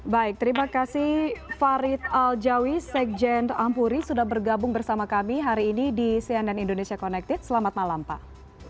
baik terima kasih farid aljawi sekjen ampuri sudah bergabung bersama kami hari ini di cnn indonesia connected selamat malam pak